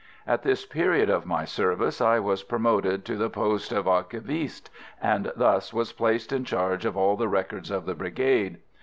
At this period of my service I was promoted to the post of archiviste, and thus was placed in charge of all the records of the Brigade.